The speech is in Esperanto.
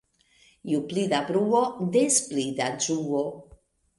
Ju pli da bruo, des malpli da ĝuo.